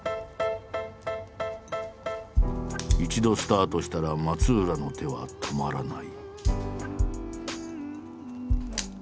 一度スタートしたら松浦の手は止まらない。